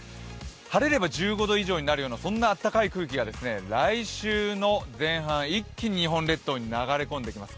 晴れれば１５度以上になるようなあったかい空気が来週の前半、一気に日本列島に流れ込んできます。